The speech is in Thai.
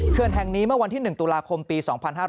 แห่งนี้เมื่อวันที่๑ตุลาคมปี๒๕๕๙